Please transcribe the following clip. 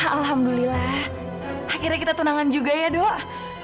alhamdulillah akhirnya kita tunangan juga ya dok